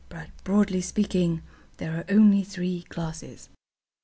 But, broadly speaking, there are only three classes.